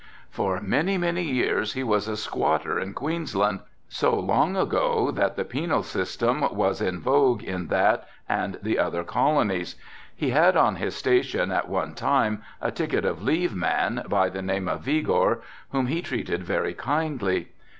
"For many, many years he was a squatter in Queensland, so long ago that the penal system was in vogue in that and the other colonies. He had on his station at one time a ticket of leave man, by the name of Vigor, whom he treated very kindly.